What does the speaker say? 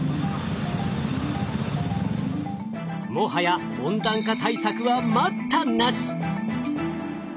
もはや温暖化対策は待ったなし。